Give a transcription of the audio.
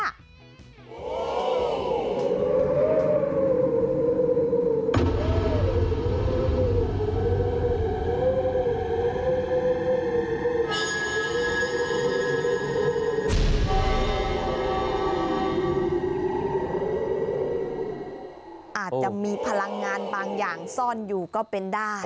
อาจจะมีพลังงานบางอย่างซ่อนอยู่ก็เป็นได้